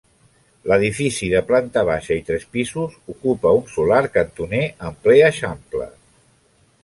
L'edifici, de planta baixa i tres pisos, ocupa un solar cantoner en ple eixample.